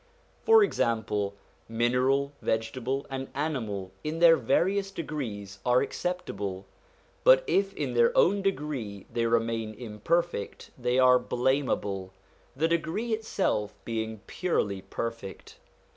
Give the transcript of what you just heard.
For example, mineral, vegetable, and animal in their various degrees are acceptable; but if in their own degree they remain imperfect they are blamable, the degree itself being purely perfect.